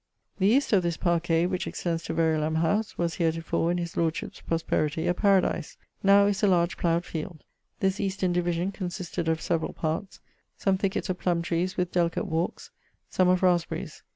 The east of this parquet (which extends to Veralam howse) was heretofore, in his lordship's prosperitie, a paradise; now is a large ploughed field. This eastern division consisted of severall parts; some thicketts of plumme trees with delicate walkes; some of rasberies.